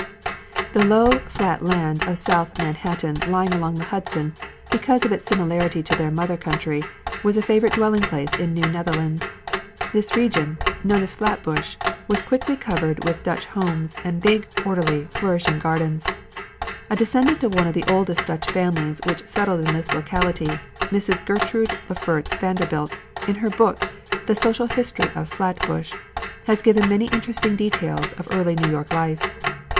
The low, flat land of South Manhattan lying along the Hudson, because of its similarity to their mother country, was a favourite dwelling place in New Netherlands. This region, known as Flatbush, was quickly covered with Dutch homes and big, orderly, flourishing gardens. A descendant of one of the oldest Dutch families which settled in this locality, Mrs. Gertrude Lefferts Vanderbilt, in her book, "The Social History of Flatbush," has given many interesting details of early New York life.